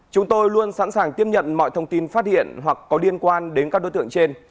chúng tôi luôn sẵn sàng tiếp nhận mọi thông tin phát hiện hoặc có liên quan đến các đối tượng trên